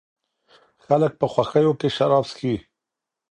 خلګ په خوښیو کي شراب څښي.